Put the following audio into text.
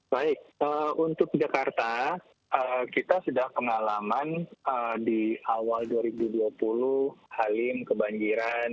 baik untuk jakarta kita sudah pengalaman di awal dua ribu dua puluh halim kebanjiran